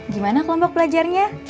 gimana kelompok belajarnya